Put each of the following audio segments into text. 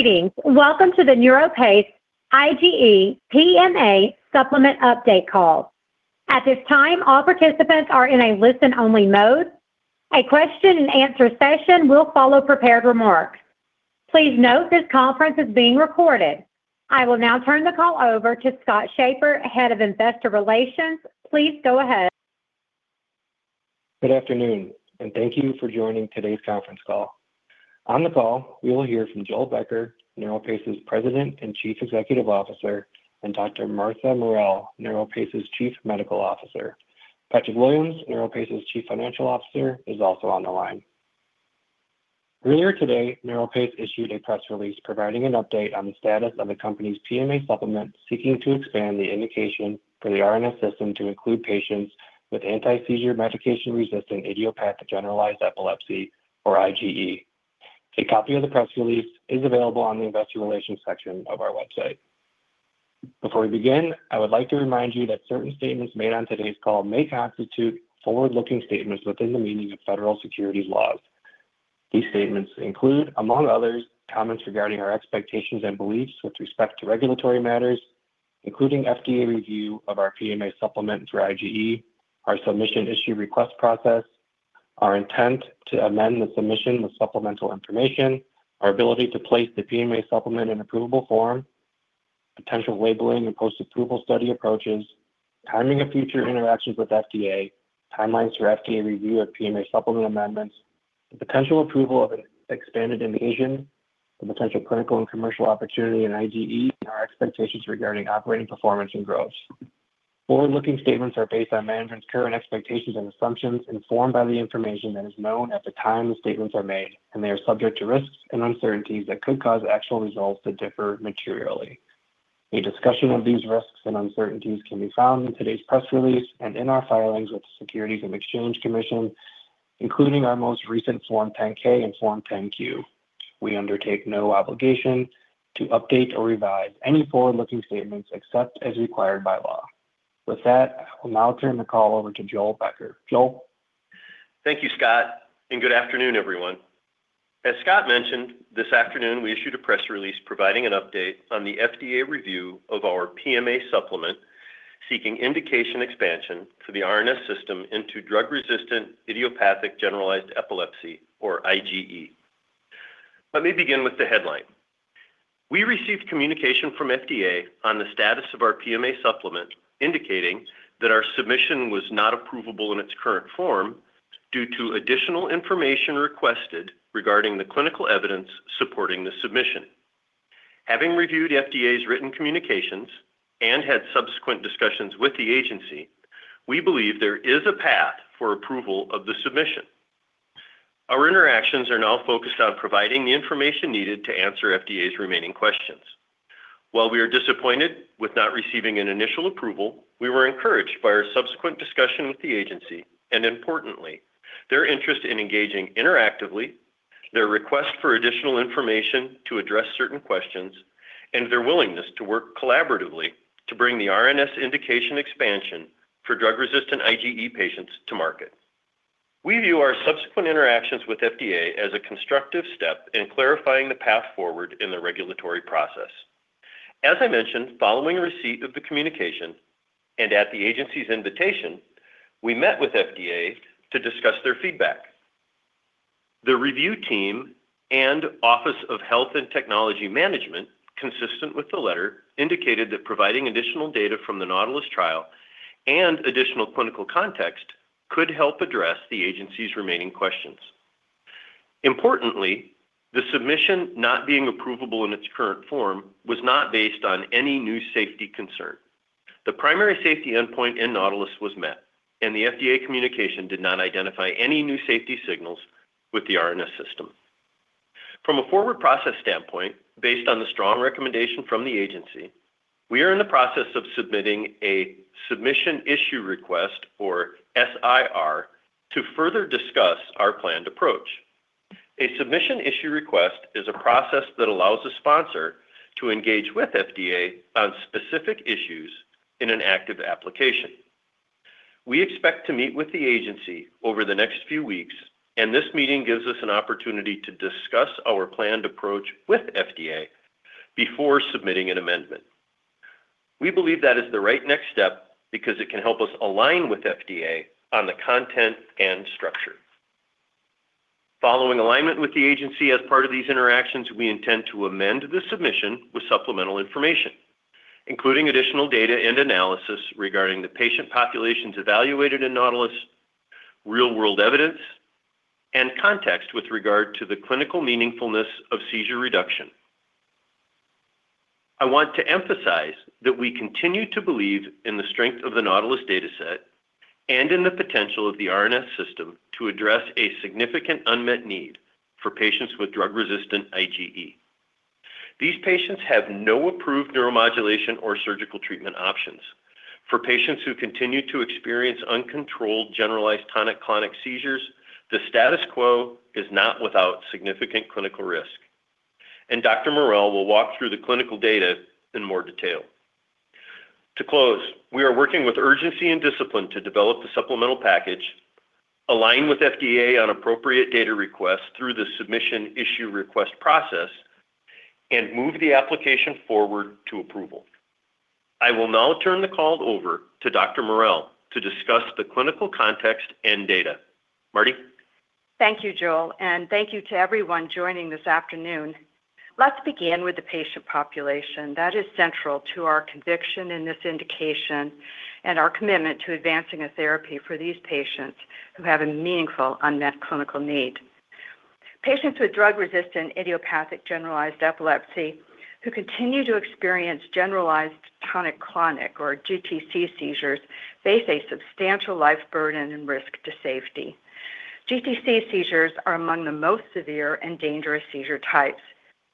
Greetings. Welcome to the NeuroPace IGE PMA supplement update call. At this time, all participants are in a listen-only mode. A question and answer session will follow prepared remarks. Please note this conference is being recorded. I will now turn the call over to Scott Schaper, Head of Investor Relations. Please go ahead. Good afternoon. Thank you for joining today's conference call. On the call, we will hear from Joel Becker, NeuroPace's President and Chief Executive Officer, and Dr. Martha Morrell, NeuroPace's Chief Medical Officer. Patrick Williams, NeuroPace's Chief Financial Officer, is also on the line. Earlier today, NeuroPace issued a press release providing an update on the status of the company's PMA supplement, seeking to expand the indication for the RNS System to include patients with anti-seizure medication-resistant idiopathic generalized epilepsy, or IGE. A copy of the press release is available on the Investor Relations section of our website. Before we begin, I would like to remind you that certain statements made on today's call may constitute forward-looking statements within the meaning of Federal Securities laws. These statements include, among others, comments regarding our expectations and beliefs with respect to regulatory matters, including FDA review of our PMA supplement through IGE, our Submission Issue Request process, our intent to amend the submission with supplemental information, our ability to place the PMA supplement in approvable form, potential labeling and post-approval study approaches, timing of future interactions with FDA, timelines for FDA review of PMA supplement amendments, the potential approval of an expanded indication, the potential clinical and commercial opportunity in IGE, and our expectations regarding operating performance and growth. Forward-looking statements are based on management's current expectations and assumptions informed by the information that is known at the time the statements are made. They are subject to risks and uncertainties that could cause actual results to differ materially. A discussion of these risks and uncertainties can be found in today's press release and in our filings with the Securities and Exchange Commission, including our most recent Form 10-K and Form 10-Q. We undertake no obligation to update or revise any forward-looking statements except as required by law. With that, I'll now turn the call over to Joel Becker. Joel? Thank you, Scott, and good afternoon, everyone. As Scott mentioned, this afternoon we issued a press release providing an update on the FDA review of our PMA supplement seeking indication expansion for the RNS System into drug-resistant idiopathic generalized epilepsy, or IGE. Let me begin with the headline. We received communication from FDA on the status of our PMA supplement, indicating that our submission was not approvable in its current form due to additional information requested regarding the clinical evidence supporting the submission. Having reviewed FDA's written communications and had subsequent discussions with the agency, we believe there is a path for approval of the submission. Our interactions are now focused on providing the information needed to answer FDA's remaining questions. While we are disappointed with not receiving an initial approval, we were encouraged by our subsequent discussion with the agency, and importantly, their interest in engaging interactively, their request for additional information to address certain questions, and their willingness to work collaboratively to bring the RNS indication expansion for drug-resistant IGE patients to market. We view our subsequent interactions with FDA as a constructive step in clarifying the path forward in the regulatory process. As I mentioned, following receipt of the communication and at the agency's invitation, we met with FDA to discuss their feedback. The review team and Office of Health and Technology Management, consistent with the letter, indicated that providing additional data from the NAUTILUS trial and additional clinical context could help address the agency's remaining questions. Importantly, the submission not being approvable in its current form was not based on any new safety concern. The primary safety endpoint in NAUTILUS was met, and the FDA communication did not identify any new safety signals with the RNS System. From a forward process standpoint, based on the strong recommendation from the agency, we are in the process of submitting a Submission Issue Request, or SIR, to further discuss our planned approach. A Submission Issue Request is a process that allows a sponsor to engage with FDA on specific issues in an active application. We expect to meet with the agency over the next few weeks, and this meeting gives us an opportunity to discuss our planned approach with FDA before submitting an amendment. We believe that is the right next step because it can help us align with FDA on the content and structure. Following alignment with the agency as part of these interactions, we intend to amend the submission with supplemental information, including additional data and analysis regarding the patient populations evaluated in NAUTILUS, real-world evidence, and context with regard to the clinical meaningfulness of seizure reduction. I want to emphasize that we continue to believe in the strength of the NAUTILUS dataset and in the potential of the RNS System to address a significant unmet need for patients with drug-resistant IGE. These patients have no approved neuromodulation or surgical treatment options. For patients who continue to experience uncontrolled generalized tonic-clonic seizures, the status quo is not without significant clinical risk. Dr. Morrell will walk through the clinical data in more detail. To close, we are working with urgency and discipline to develop the supplemental package aligned with FDA on appropriate data requests through the Submission Issue Request process and move the application forward to approval. I will now turn the call over to Dr. Morrell to discuss the clinical context and data. Marty? Thank you, Joel, and thank you to everyone joining this afternoon. Let's begin with the patient population. That is central to our conviction in this indication and our commitment to advancing a therapy for these patients who have a meaningful unmet clinical need. Patients with drug resistant idiopathic generalized epilepsy who continue to experience generalized tonic-clonic or GTC seizures face a substantial life burden and risk to safety. GTC seizures are among the most severe and dangerous seizure types.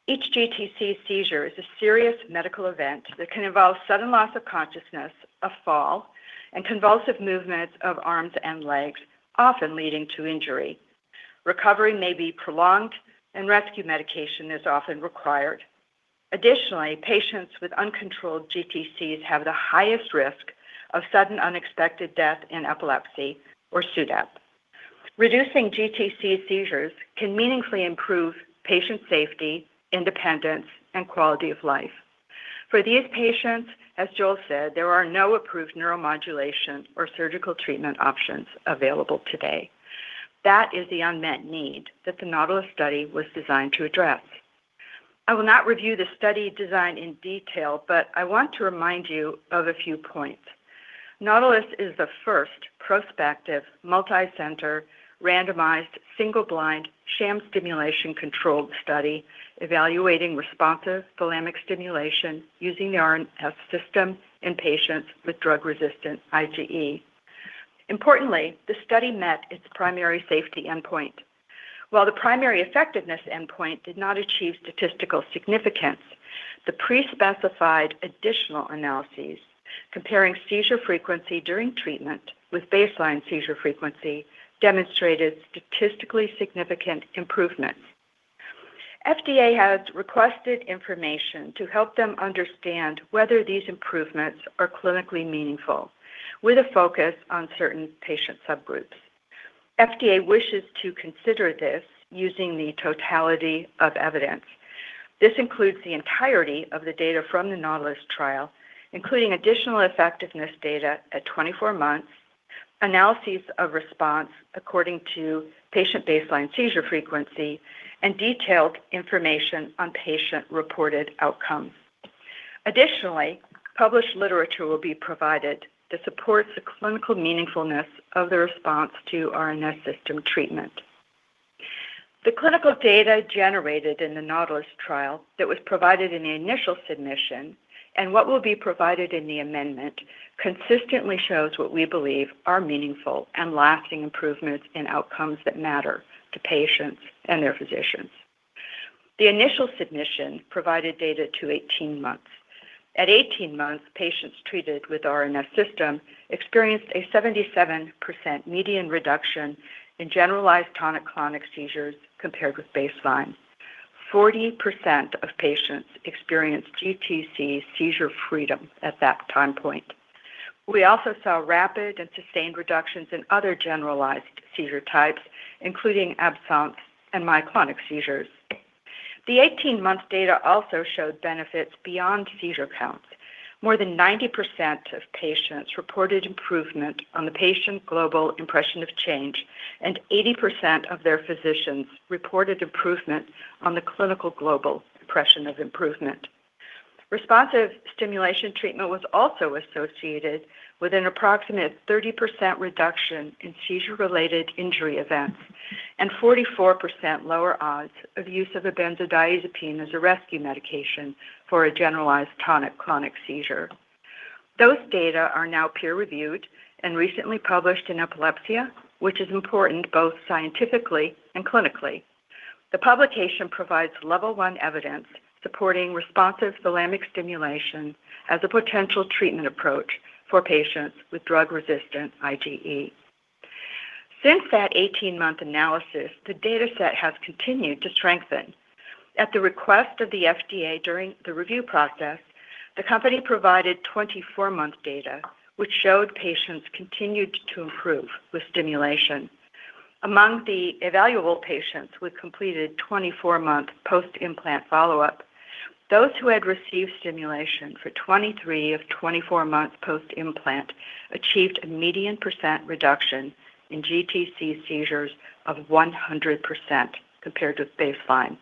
Each GTC seizure is a serious medical event that can involve sudden loss of consciousness, a fall, and convulsive movements of arms and legs, often leading to injury. Recovery may be prolonged and rescue medication is often required. Additionally, patients with uncontrolled GTCs have the highest risk of sudden unexpected death in epilepsy or SUDEP. Reducing GTC seizures can meaningfully improve patient safety, independence, and quality of life. For these patients, as Joel said, there are no approved neuromodulation or surgical treatment options available today. That is the unmet need that the NAUTILUS study was designed to address. I will not review the study design in detail, but I want to remind you of a few points. NAUTILUS is the first prospective, multi-center, randomized, single blind, sham stimulation controlled study evaluating responsive thalamic stimulation using the RNS System in patients with drug resistant IGE. Importantly, the study met its primary safety endpoint. While the primary effectiveness endpoint did not achieve statistical significance, the pre-specified additional analyses comparing seizure frequency during treatment with baseline seizure frequency demonstrated statistically significant improvements. FDA has requested information to help them understand whether these improvements are clinically meaningful with a focus on certain patient subgroups. FDA wishes to consider this using the totality of evidence. This includes the entirety of the data from the NAUTILUS trial, including additional effectiveness data at 24 months, analyses of response according to patient baseline seizure frequency, and detailed information on patient reported outcomes. Additionally, published literature will be provided that supports the clinical meaningfulness of the response to RNS System treatment. The clinical data generated in the NAUTILUS trial that was provided in the initial submission and what will be provided in the amendment consistently shows what we believe are meaningful and lasting improvements in outcomes that matter to patients and their physicians. The initial submission provided data to 18 months. At 18 months, patients treated with RNS System experienced a 77% median reduction in generalized tonic-clonic seizures compared with baseline. 40% of patients experienced GTC seizure freedom at that time point. We also saw rapid and sustained reductions in other generalized seizure types, including absence and myoclonic seizures. The 18-month data also showed benefits beyond seizure counts. More than 90% of patients reported improvement on the Patient Global Impression of Change, and 80% of their physicians reported improvement on the Clinical Global Impression of Improvement. Responsive stimulation treatment was also associated with an approximate 30% reduction in seizure-related injury events and 44% lower odds of use of a benzodiazepine as a rescue medication for a generalized tonic-clonic seizure. Those data are now peer reviewed and recently published in "Epilepsia," which is important both scientifically and clinically. The publication provides level 1 evidence supporting responsive thalamic stimulation as a potential treatment approach for patients with drug resistant IGE. Since that 18-month analysis, the data set has continued to strengthen. At the request of the FDA during the review process, the company provided 24-month data, which showed patients continued to improve with stimulation. Among the evaluable patients with completed 24-month post-implant follow-up, those who had received stimulation for 23 of 24 months post-implant achieved a median percent reduction in GTC seizures of 100% compared with baseline.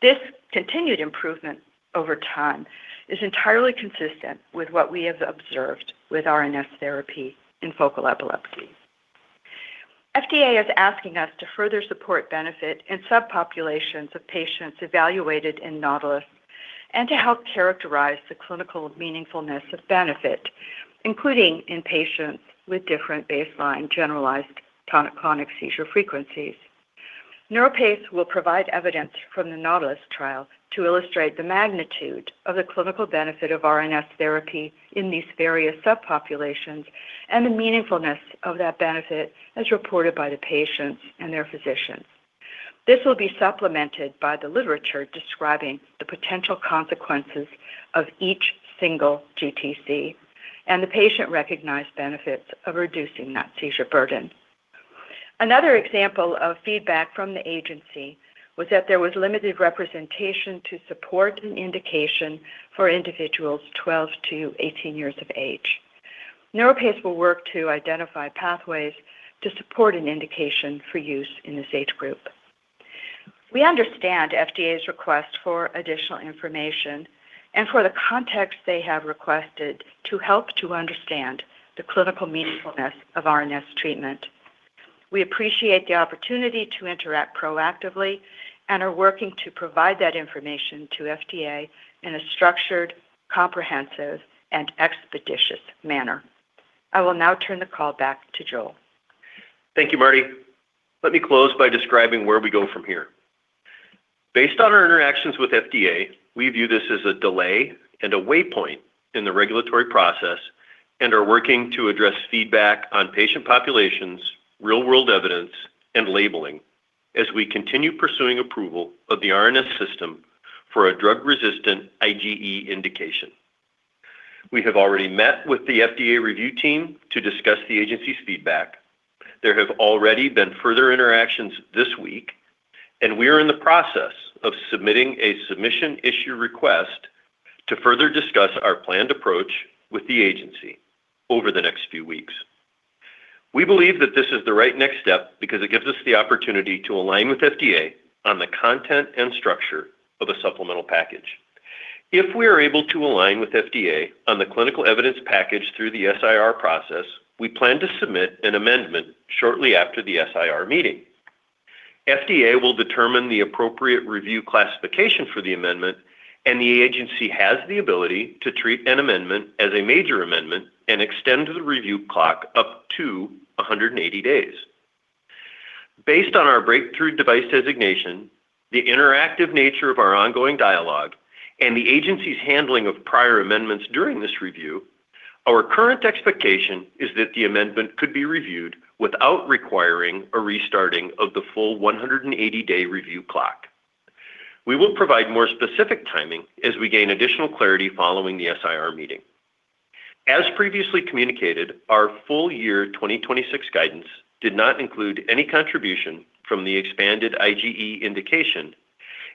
This continued improvement over time is entirely consistent with what we have observed with RNS therapy in focal epilepsy. FDA is asking us to further support benefit in subpopulations of patients evaluated in NAUTILUS and to help characterize the clinical meaningfulness of benefit, including in patients with different baseline generalized tonic-clonic seizure frequencies. NeuroPace will provide evidence from the NAUTILUS trial to illustrate the magnitude of the clinical benefit of RNS therapy in these various subpopulations and the meaningfulness of that benefit as reported by the patients and their physicians. This will be supplemented by the literature describing the potential consequences of each single GTC and the patient-recognized benefits of reducing that seizure burden. Another example of feedback from the agency was that there was limited representation to support an indication for individuals 12-18 years of age. NeuroPace will work to identify pathways to support an indication for use in this age group. We understand FDA's request for additional information and for the context they have requested to help to understand the clinical meaningfulness of RNS treatment. We appreciate the opportunity to interact proactively and are working to provide that information to FDA in a structured, comprehensive, and expeditious manner. I will now turn the call back to Joel. Thank you, Marty. Let me close by describing where we go from here. Based on our interactions with FDA, we view this as a delay and a waypoint in the regulatory process and are working to address feedback on patient populations, real-world evidence, and labeling as we continue pursuing approval of the RNS System for a drug-resistant IGE indication. We have already met with the FDA review team to discuss the agency's feedback. There have already been further interactions this week. We are in the process of submitting a Submission Issue Request to further discuss our planned approach with the agency over the next few weeks. We believe that this is the right next step because it gives us the opportunity to align with FDA on the content and structure of a supplemental package. If we are able to align with FDA on the clinical evidence package through the SIR process, we plan to submit an amendment shortly after the SIR meeting. FDA will determine the appropriate review classification for the amendment, and the agency has the ability to treat an amendment as a major amendment and extend the review clock up to 180 days. Based on our Breakthrough Device Designation, the interactive nature of our ongoing dialogue, and the agency's handling of prior amendments during this review, our current expectation is that the amendment could be reviewed without requiring a restarting of the full 180-day review clock. We will provide more specific timing as we gain additional clarity following the SIR meeting. As previously communicated, our full-year 2026 guidance did not include any contribution from the expanded IGE indication,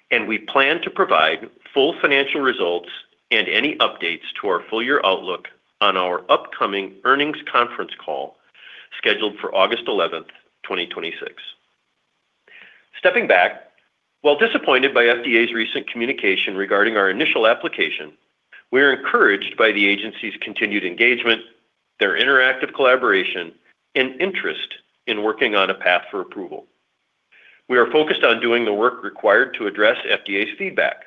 and we plan to provide full financial results and any updates to our full-year outlook on our upcoming earnings conference call scheduled for August 11, 2026. Stepping back, while disappointed by FDA's recent communication regarding our initial application, we're encouraged by the agency's continued engagement, their interactive collaboration, and interest in working on a path for approval. We are focused on doing the work required to address FDA's feedback.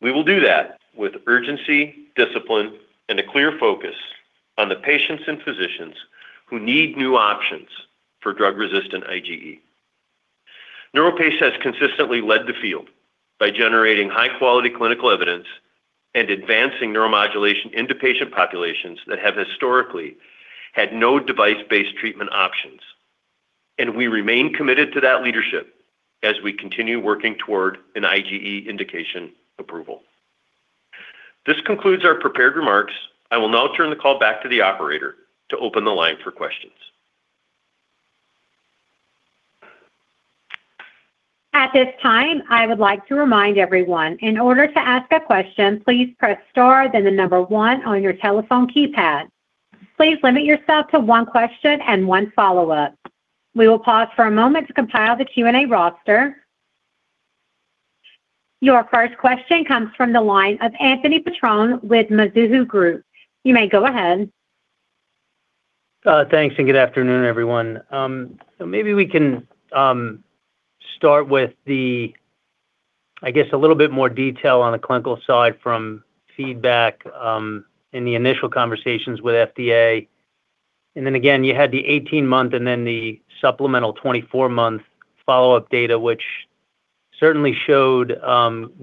We will do that with urgency, discipline, and a clear focus on the patients and physicians who need new options for drug-resistant IGE. NeuroPace has consistently led the field by generating high-quality clinical evidence and advancing neuromodulation into patient populations that have historically had no device-based treatment options, and we remain committed to that leadership as we continue working toward an IGE indication approval. This concludes our prepared remarks. I will now turn the call back to the operator to open the line for questions. At this time, I would like to remind everyone in order to ask a question, please press star, then the number one on your telephone keypad. Please limit yourself to one question and one follow-up. We will pause for a moment to compile the Q&A roster. Your first question comes from the line of Anthony Petrone with Mizuho Group. You may go ahead. Thanks, and good afternoon, everyone. Maybe we can start with, I guess, a little bit more detail on the clinical side from feedback in the initial conversations with FDA. Again, you had the 18-month and then the supplemental 24-month follow-up data, which certainly showed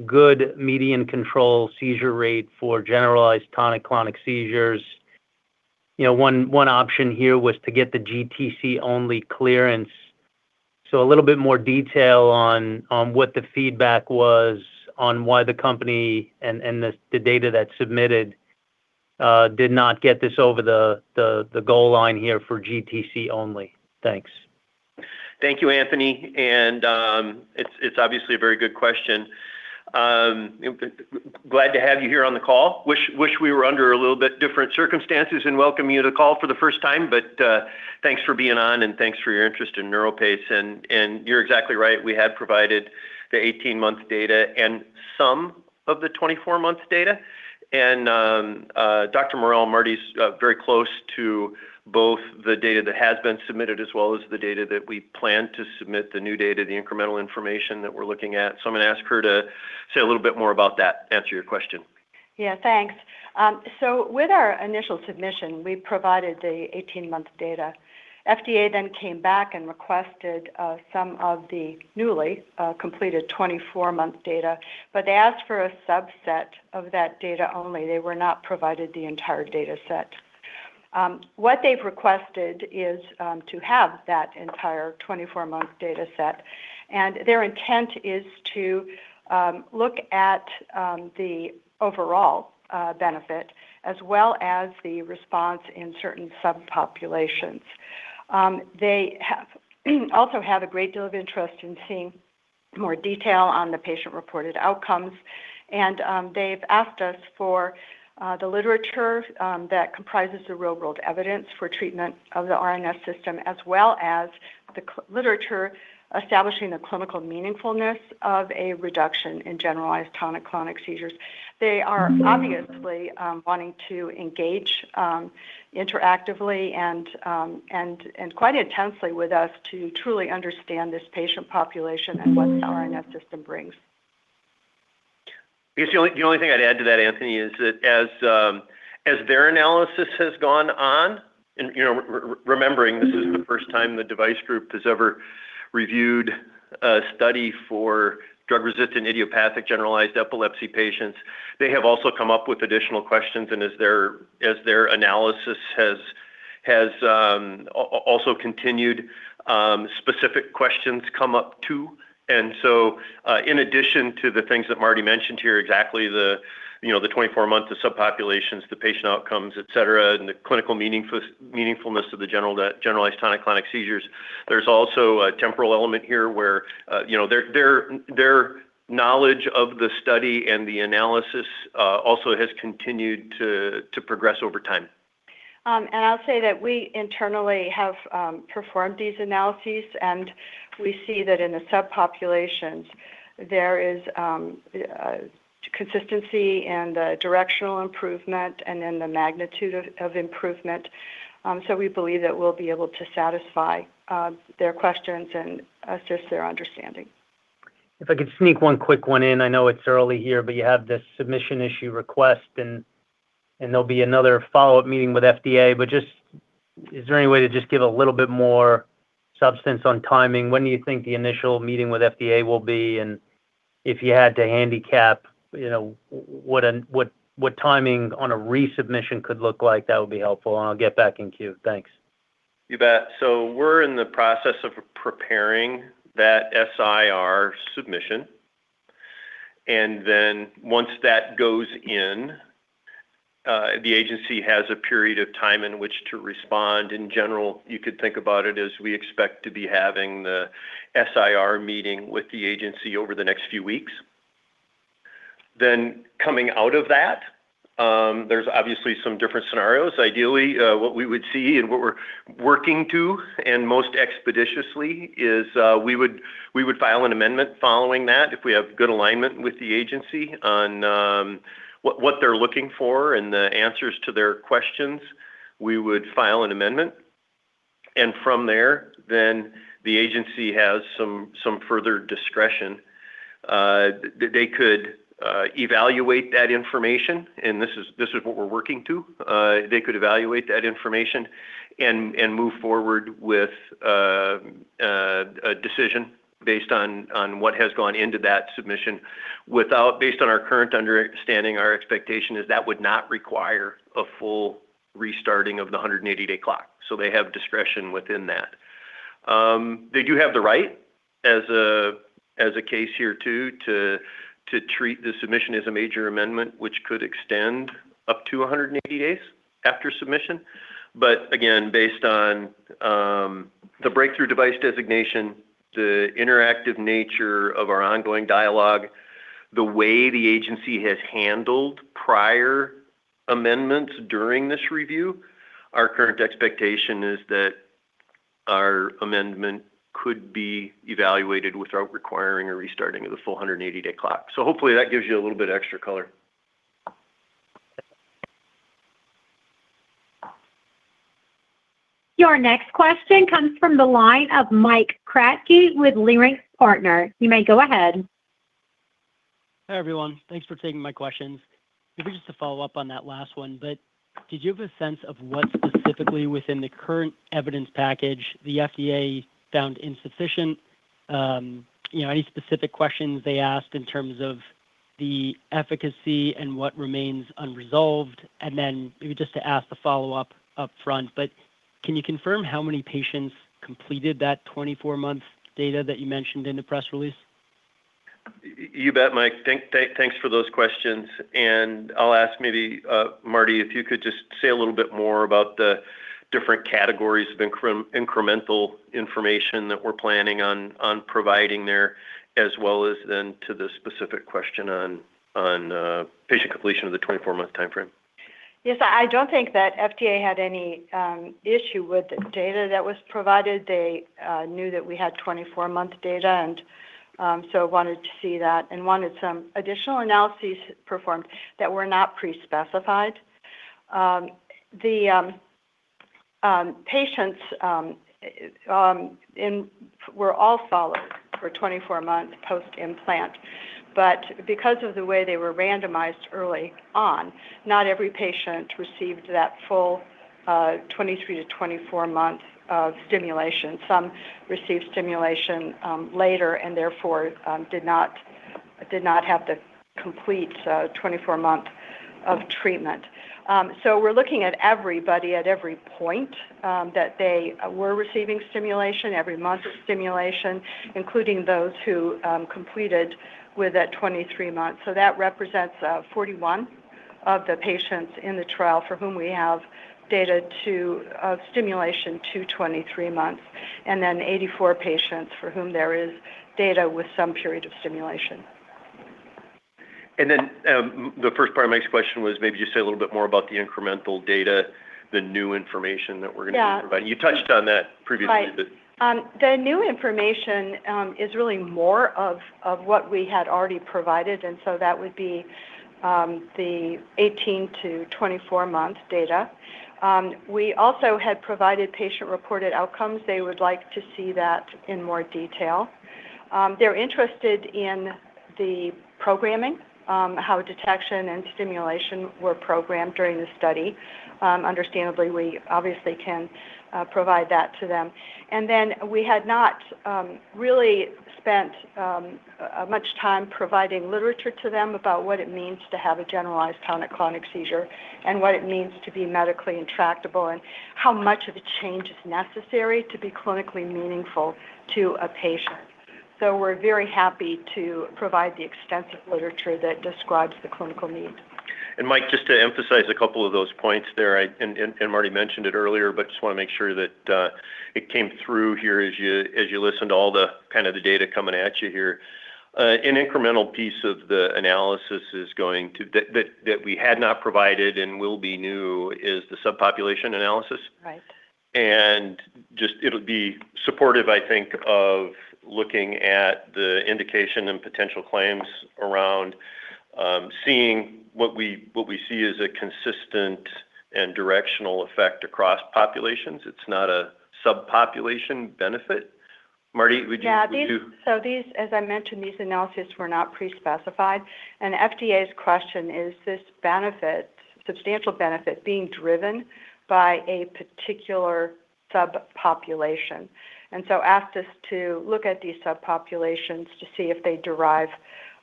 good median control seizure rate for generalized tonic-clonic seizures. One option here was to get the GTC-only clearance. A little bit more detail on what the feedback was on why the company and the data that is submitted did not get this over the goal line here for GTC only. Thanks. Thank you, Anthony, and it is obviously a very good question. Glad to have you here on the call. Wish we were under a little bit different circumstances in welcoming you to call for the first time, but thanks for being on and thanks for your interest in NeuroPace. You are exactly right. We had provided the 18-month data and some of the 24-month data. Dr. Morrell, Marty is very close to both the data that has been submitted as well as the data that we plan to submit, the new data, the incremental information that we are looking at. I am going to ask her to say a little bit more about that, answer your question. Yeah, thanks. With our initial submission, we provided the 18-month data. FDA came back and requested some of the newly completed 24-month data, but they asked for a subset of that data only. They were not provided the entire data set. What they have requested is to have that entire 24-month data set, and their intent is to look at the overall benefit as well as the response in certain subpopulations. They also have a great deal of interest in seeing more detail on the patient-reported outcomes. They have asked us for the literature that comprises the real-world evidence for treatment of the RNS System, as well as the literature establishing the clinical meaningfulness of a reduction in generalized tonic-clonic seizures. They are obviously wanting to engage interactively and quite intensely with us to truly understand this patient population and what the RNS System brings. I guess the only thing I would add to that, Anthony, is that as their analysis has gone on, and remembering this is the first time the device group has ever reviewed a study for drug-resistant idiopathic generalized epilepsy patients. They have also come up with additional questions. As their analysis has also continued, specific questions come up too. In addition to the things that Marty mentioned here, exactly the 24 months, the subpopulations, the patient outcomes, et cetera, and the clinical meaningfulness of the generalized tonic-clonic seizures. There is also a temporal element here where their knowledge of the study and the analysis also has continued to progress over time. I'll say that we internally have performed these analyses, and we see that in the subpopulations, there is consistency and a directional improvement and in the magnitude of improvement. We believe that we'll be able to satisfy their questions and assist their understanding. If I could sneak one quick one in. I know it's early here, you have this Submission Issue Request, and there'll be another follow-up meeting with FDA. Is there any way to just give a little bit more substance on timing? When do you think the initial meeting with FDA will be, and if you had to handicap, what timing on a resubmission could look like, that would be helpful, and I'll get back in queue. Thanks. You bet. We're in the process of preparing that SIR submission. Once that goes in, the agency has a period of time in which to respond. In general, you could think about it as we expect to be having the SIR meeting with the agency over the next few weeks. Coming out of that, there's obviously some different scenarios. Ideally, what we would see and what we're working to, and most expeditiously, is we would file an amendment following that if we have good alignment with the agency on what they're looking for and the answers to their questions. We would file an amendment. From there, the agency has some further discretion. They could evaluate that information, and this is what we're working to. They could evaluate that information and move forward with a decision based on what has gone into that submission. Based on our current understanding, our expectation is that would not require a full restarting of the 180-day clock. They have discretion within that. They do have the right, as a case here too, to treat the submission as a major amendment, which could extend up to 180 days after submission. Again, based on the Breakthrough Device Designation, the interactive nature of our ongoing dialogue, the way the agency has handled prior amendments during this review, our current expectation is that our amendment could be evaluated without requiring a restarting of the full 180-day clock. Hopefully that gives you a little bit of extra color. Your next question comes from the line of Mike Kratky with Leerink Partners. You may go ahead. Hi, everyone. Thanks for taking my questions. Maybe just to follow up on that last one, did you have a sense of what specifically within the current evidence package the FDA found insufficient? Any specific questions they asked in terms of the efficacy and what remains unresolved? Maybe just to ask the follow-up up front, can you confirm how many patients completed that 24-month data that you mentioned in the press release? You bet, Mike. Thanks for those questions. I'll ask maybe, Marty, if you could just say a little bit more about the different categories of incremental information that we're planning on providing there, as well as then to the specific question on patient completion of the 24-month timeframe. I don't think that FDA had any issue with the data that was provided. They knew that we had 24-month data wanted to see that and wanted some additional analyses performed that were not pre-specified. The patients were all followed for 24 months post-implant. Because of the way they were randomized early on, not every patient received that full 23-24 months of stimulation. Some received stimulation later and therefore did not have the complete 24 month of treatment. We're looking at everybody at every point that they were receiving stimulation, every month of stimulation, including those who completed with that 23 months. That represents 41 of the patients in the trial for whom we have data of stimulation to 23 months, 84 patients for whom there is data with some period of stimulation. The first part of Mike's question was maybe just say a little bit more about the incremental data, the new information that we're going to be providing. You touched on that previously. Right. The new information is really more of what we had already provided, and so that would be the 18-24 month data. We also had provided patient-reported outcomes. They would like to see that in more detail. They're interested in the programming, how detection and stimulation were programmed during the study. Understandably, we obviously can provide that to them. We had not really spent much time providing literature to them about what it means to have a generalized tonic-clonic seizure and what it means to be medically intractable, and how much of a change is necessary to be clinically meaningful to a patient. We're very happy to provide the extensive literature that describes the clinical need. And Mike, just to emphasize a couple of those points there. Marty mentioned it earlier, but just want to make sure that it came through here as you listen to all the data coming at you here. An incremental piece of the analysis that we had not provided and will be new is the subpopulation analysis. Right. It'll be supportive, I think, of looking at the indication and potential claims around seeing what we see as a consistent and directional effect across populations. It's not a subpopulation benefit. Marty, would you- These, as I mentioned, these analyses were not pre-specified. FDA's question, is this substantial benefit being driven by a particular subpopulation? Asked us to look at these subpopulations to see if they derive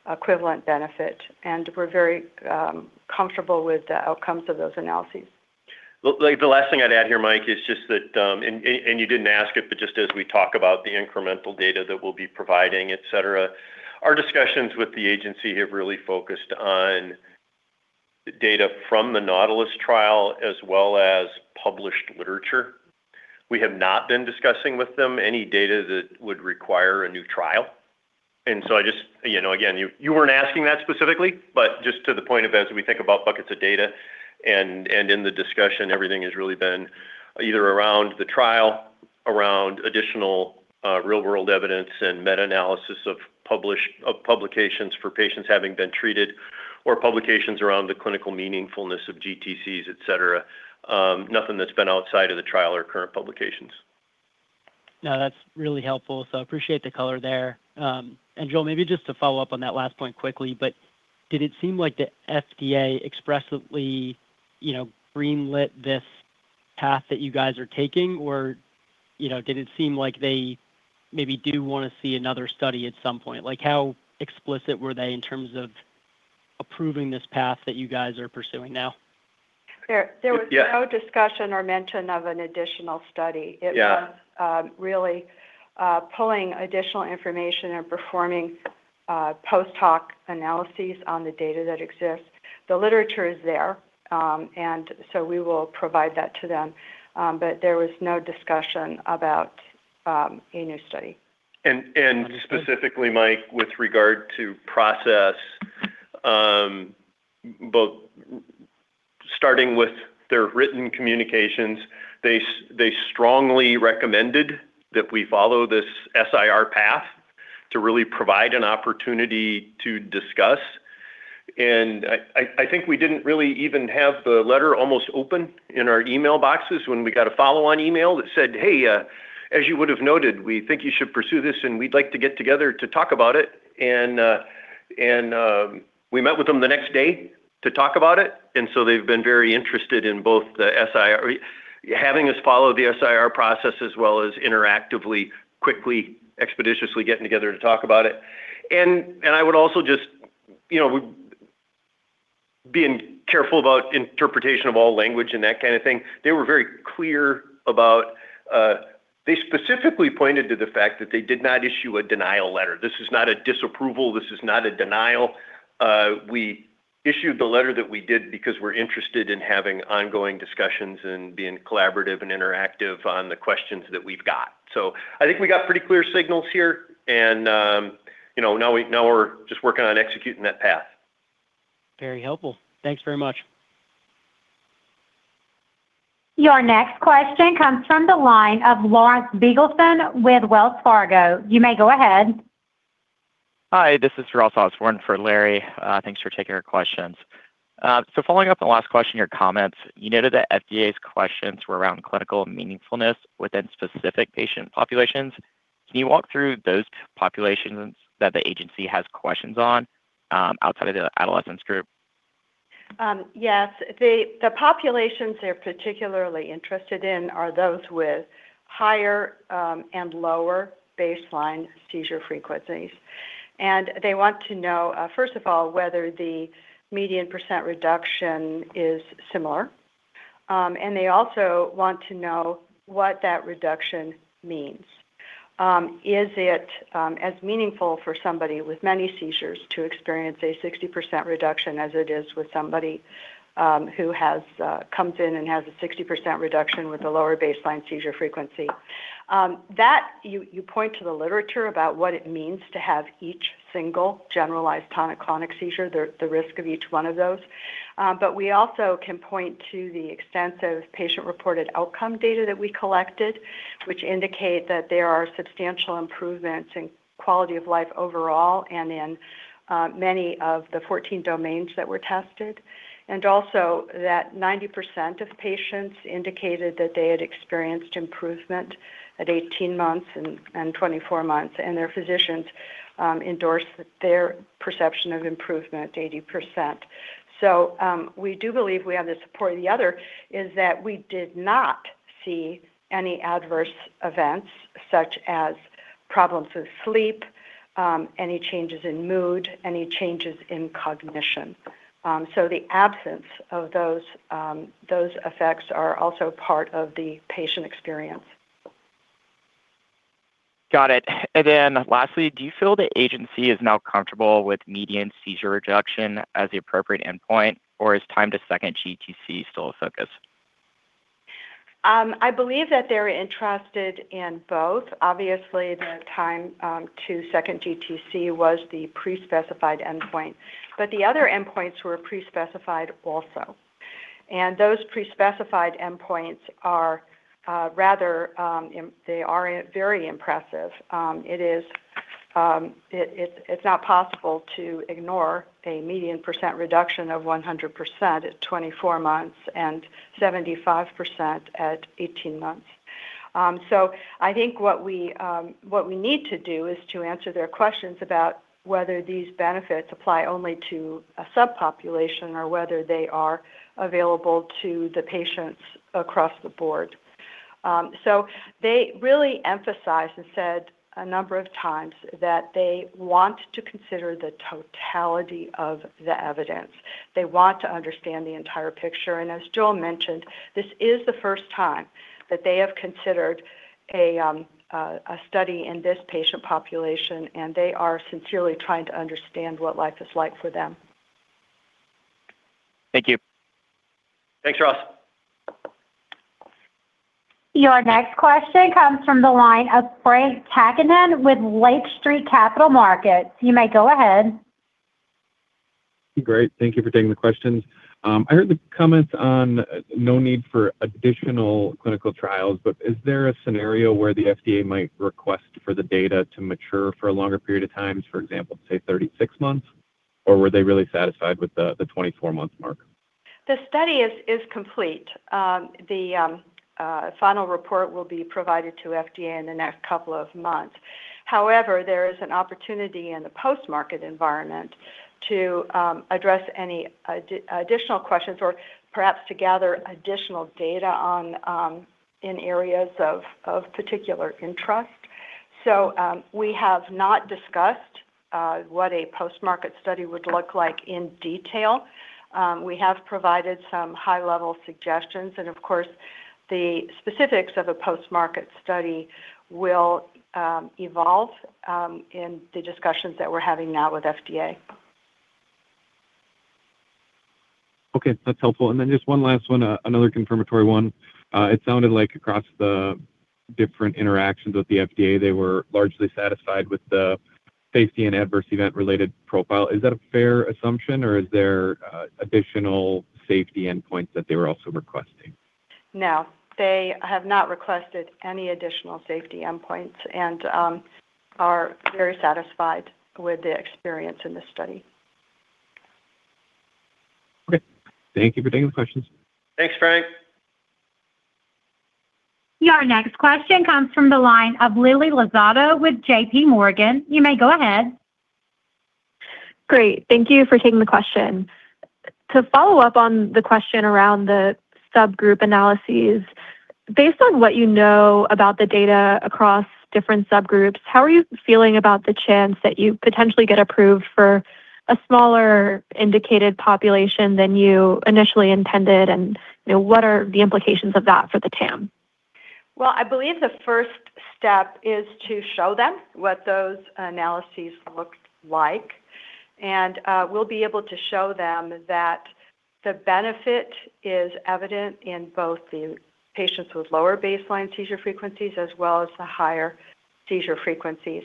equivalent benefit, and we are very comfortable with the outcomes of those analyses. The last thing I would add here, Mike, is just that, and you did not ask it, but just as we talk about the incremental data that we will be providing, et cetera, our discussions with the agency have really focused on data from the NAUTILUS trial as well as published literature. We have not been discussing with them any data that would require a new trial. Again, you were not asking that specifically, but just to the point of as we think about buckets of data and in the discussion, everything has really been either around the trial, around additional real-world evidence and meta-analysis of publications for patients having been treated, or publications around the clinical meaningfulness of GTCs, et cetera. Nothing that has been outside of the trial or current publications. No, that is really helpful. Appreciate the color there. Joel, maybe just to follow up on that last point quickly, but did it seem like the FDA expressively green-lit this path that you guys are taking, or did it seem like they maybe do want to see another study at some point? How explicit were they in terms of approving this path that you guys are pursuing now? There was no discussion or mention of an additional study. Yeah. It was really pulling additional information and performing post hoc analyses on the data that exists. The literature is there. We will provide that to them. There was no discussion about a new study. Specifically, Mike, with regard to process, starting with their written communications, they strongly recommended that we follow this SIR path to really provide an opportunity to discuss. I think we didn't really even have the letter almost open in our email boxes when we got a follow-on email that said, "Hey, as you would've noted, we think you should pursue this, and we'd like to get together to talk about it." We met with them the next day to talk about it. They've been very interested in both the SIR process as well as interactively, quickly, expeditiously getting together to talk about it. I would also just, being careful about interpretation of all language and that kind of thing, they were very clear about. They specifically pointed to the fact that they did not issue a denial letter. This is not a disapproval. This is not a denial. We issued the letter that we did because we're interested in having ongoing discussions and being collaborative and interactive on the questions that we've got. I think we got pretty clear signals here and now we're just working on executing that path. Very helpful. Thanks very much. Your next question comes from the line of Lawrence Biegelsen with Wells Fargo. You may go ahead. Hi, this is Ross Osborn for Larry. Thanks for taking our questions. Following up on the last question, your comments, you noted that FDA's questions were around clinical meaningfulness within specific patient populations. Can you walk through those populations that the agency has questions on outside of the adolescents group? Yes. The populations they're particularly interested in are those with higher and lower baseline seizure frequencies. They want to know, first of all, whether the median percent reduction is similar. They also want to know what that reduction means. Is it as meaningful for somebody with many seizures to experience a 60% reduction as it is with somebody who comes in and has a 60% reduction with a lower baseline seizure frequency? That, you point to the literature about what it means to have each single generalized tonic-clonic seizure, the risk of each one of those. We also can point to the extensive patient-reported outcome data that we collected, which indicate that there are substantial improvements in quality of life overall and in many of the 14 domains that were tested. Also, that 90% of patients indicated that they had experienced improvement at 18 months and 24 months, and their physicians endorsed their perception of improvement, 80%. We do believe we have the support. The other is that we did not see any adverse events such as problems with sleep, any changes in mood, any changes in cognition. The absence of those effects are also part of the patient experience. Got it. Then lastly, do you feel the agency is now comfortable with median seizure reduction as the appropriate endpoint, or is time to second GTC still a focus? I believe that they're interested in both. Obviously, the time to second GTC was the pre-specified endpoint. The other endpoints were pre-specified also. Those pre-specified endpoints are very impressive. It's not possible to ignore a median percent reduction of 100% at 24 months and 75% at 18 months. I think what we need to do is to answer their questions about whether these benefits apply only to a subpopulation or whether they are available to the patients across the board. They really emphasized and said a number of times that they want to consider the totality of the evidence. They want to understand the entire picture. As Joel mentioned, this is the first time that they have considered a study in this patient population, and they are sincerely trying to understand what life is like for them. Thank you. Thanks, Ross. Your next question comes from the line of Frank Takkinen with Lake Street Capital Markets. You may go ahead. Great. Thank you for taking the questions. I heard the comments on no need for additional clinical trials, is there a scenario where the FDA might request for the data to mature for a longer period of time, for example, say 36 months? Were they really satisfied with the 24-month mark? The study is complete. The final report will be provided to FDA in the next couple of months. There is an opportunity in the post-market environment to address any additional questions or perhaps to gather additional data in areas of particular interest. We have not discussed what a post-market study would look like in detail. We have provided some high-level suggestions, of course, the specifics of a post-market study will evolve in the discussions that we're having now with FDA. Okay. That's helpful. Just one last one, another confirmatory one. It sounded like across the different interactions with the FDA, they were largely satisfied with the safety and adverse event-related profile. Is that a fair assumption, is there additional safety endpoints that they were also requesting? No. They have not requested any additional safety endpoints and are very satisfied with the experience in the study. Okay. Thank you for taking the questions. Thanks, Frank. Your next question comes from the line of Lily Lozada with JPMorgan. You may go ahead. Great. Thank you for taking the question. To follow up on the question around the subgroup analyses, based on what you know about the data across different subgroups, how are you feeling about the chance that you potentially get approved for a smaller indicated population than you initially intended, and what are the implications of that for the TAM? Well, I believe the first step is to show them what those analyses looked like. We'll be able to show them that the benefit is evident in both the patients with lower baseline seizure frequencies as well as the higher seizure frequencies.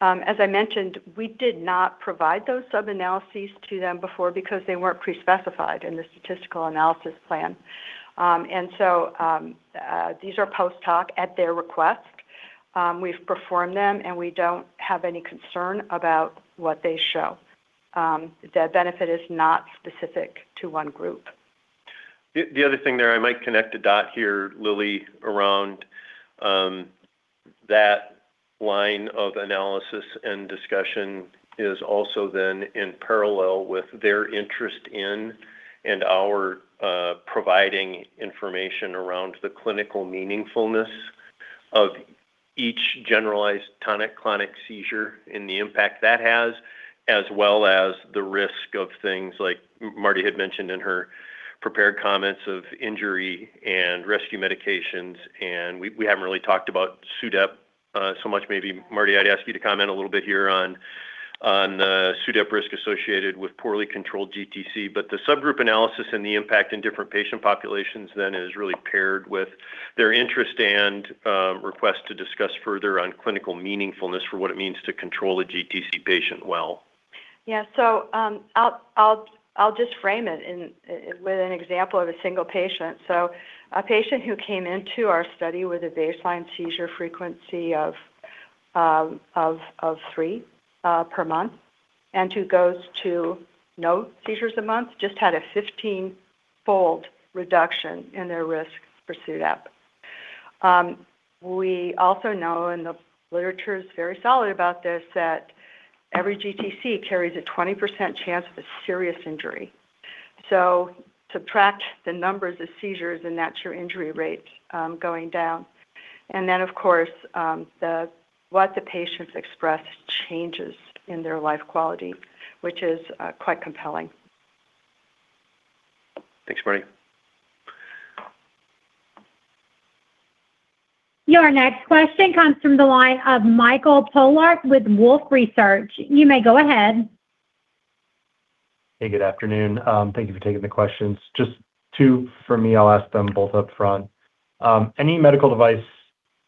As I mentioned, we did not provide those sub-analyses to them before because they weren't pre-specified in the statistical analysis plan. These are post hoc at their request. We've performed them, and we don't have any concern about what they show. The benefit is not specific to one group. The other thing there, I might connect a dot here, Lily, around that line of analysis and discussion is also then in parallel with their interest in and our providing information around the clinical meaningfulness of each generalized tonic-clonic seizure and the impact that has, as well as the risk of things like Marty had mentioned in her prepared comments of injury and rescue medications. We haven't really talked about SUDEP so much. Maybe Marty, I'd ask you to comment a little bit here on the SUDEP risk associated with poorly controlled GTC. The subgroup analysis and the impact in different patient populations then is really paired with their interest and request to discuss further on clinical meaningfulness for what it means to control a GTC patient well. Yeah. I'll just frame it with an example of a single patient. A patient who came into our study with a baseline seizure frequency of three per month, and who goes to no seizures a month, just had a 15-fold reduction in their risk for SUDEP. We also know, and the literature is very solid about this, that every GTC carries a 20% chance of a serious injury. Subtract the numbers of seizures, and that's your injury rates going down. Of course, what the patients express changes in their life quality, which is quite compelling. Thanks, Marty. Your next question comes from the line of Michael Polark with Wolfe Research. You may go ahead. Hey, good afternoon. Thank you for taking the questions. Just two from me. I'll ask them both upfront. Any medical device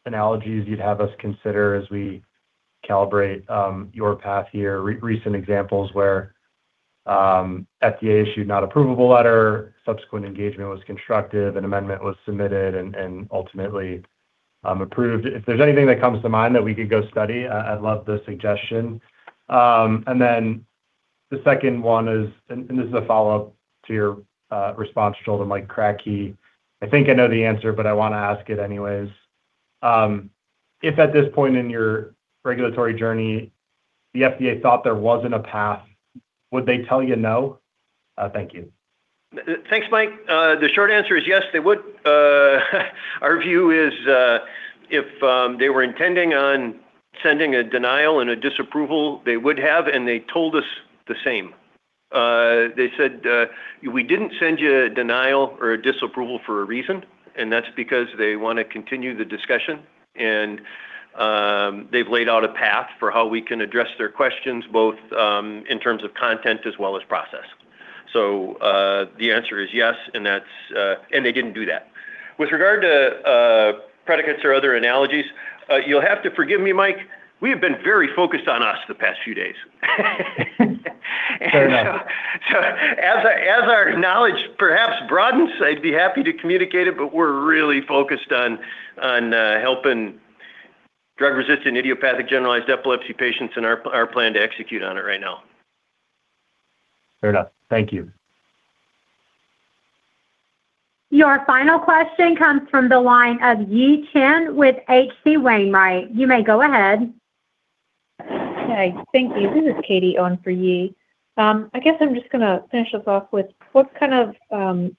analogies you'd have us consider as we calibrate your path here? Recent examples where FDA issued not approvable letter, subsequent engagement was constructive, an amendment was submitted and ultimately approved. If there's anything that comes to mind that we could go study, I'd love the suggestion. The second one is, this is a follow-up to your response to Joel from Mike Kratky. I think I know the answer, but I want to ask it anyways. If at this point in your regulatory journey, the FDA thought there wasn't a path, would they tell you no? Thank you. Thanks, Mike. The short answer is yes, they would. Our view is if they were intending on sending a denial and a disapproval, they would have, and they told us the same. They said, "We didn't send you a denial or a disapproval for a reason," that's because they want to continue the discussion. They've laid out a path for how we can address their questions, both in terms of content as well as process. The answer is yes, they didn't do that. With regard to predicates or other analogies, you'll have to forgive me, Mike. We have been very focused on us the past few days. Fair enough. As our knowledge perhaps broadens, I'd be happy to communicate it, but we're really focused on helping drug-resistant idiopathic generalized epilepsy patients, and our plan to execute on it right now. Fair enough. Thank you. Your final question comes from the line of Yi Chen with H.C. Wainwright. You may go ahead. Hi. Thank you. This is Katie on for Yi. I guess I'm just going to finish us off with what kind of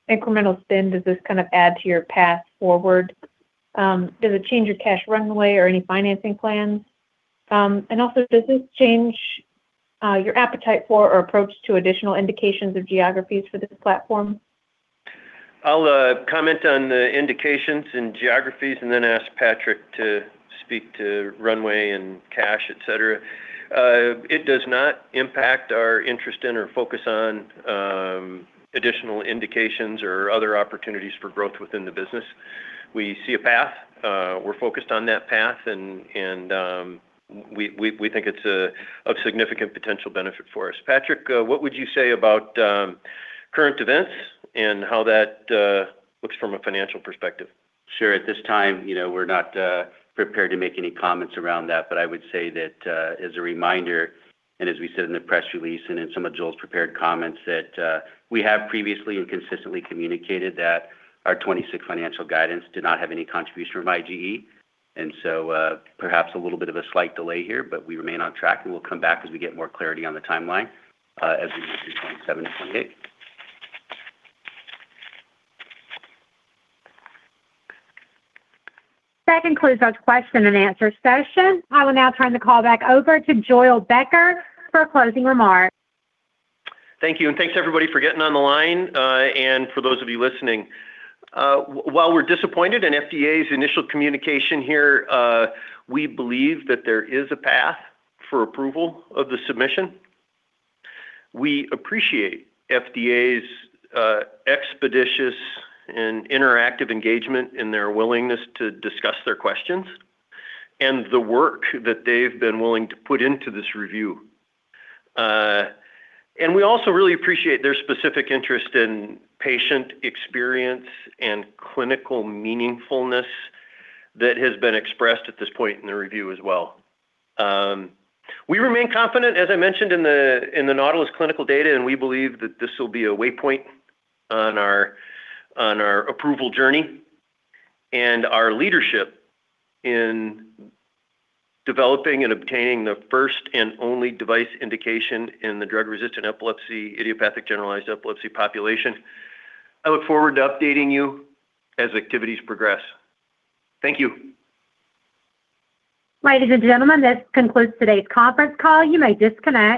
incremental spin does this add to your path forward? Does it change your cash runway or any financing plans? Does this change your appetite for or approach to additional indications of geographies for this platform? I'll comment on the indications and geographies and then ask Patrick to speak to runway and cash, et cetera. It does not impact our interest in or focus on additional indications or other opportunities for growth within the business. We see a path. We're focused on that path, and we think it's of significant potential benefit for us. Patrick, what would you say about current events and how that looks from a financial perspective? Sure. At this time, we're not prepared to make any comments around that. I would say that, as a reminder, and as we said in the press release and in some of Joel's prepared comments, that we have previously and consistently communicated that our 2026 financial guidance did not have any contribution from IGE. Perhaps a little bit of a slight delay here, but we remain on track, and we'll come back as we get more clarity on the timeline, as we move through 2027 and 2028. That concludes our question and answer session. I will now turn the call back over to Joel Becker for closing remarks. Thank you, and thanks everybody for getting on the line, and for those of you listening. While we're disappointed in FDA's initial communication here, we believe that there is a path for approval of the submission. We appreciate FDA's expeditious and interactive engagement, and their willingness to discuss their questions, and the work that they've been willing to put into this review. We also really appreciate their specific interest in patient experience and clinical meaningfulness that has been expressed at this point in the review as well. We remain confident, as I mentioned, in the NAUTILUS clinical data, and we believe that this will be a waypoint on our approval journey and our leadership in developing and obtaining the first and only device indication in the drug-resistant epilepsy, idiopathic generalized epilepsy population. I look forward to updating you as activities progress. Thank you. Ladies and gentlemen, this concludes today's conference call. You may disconnect.